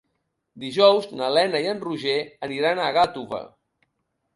Dijous na Lena i en Roger aniran a Gàtova.